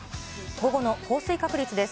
午後の降水確率です。